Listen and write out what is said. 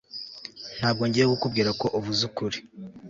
Ntabwo ngiye kukubwira ko uvuze ukuri